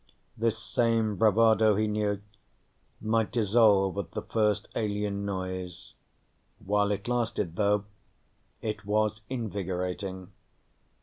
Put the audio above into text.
This same bravado, he knew, might dissolve at the first alien noise. While it lasted, though, it was invigorating.